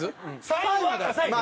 ３位は。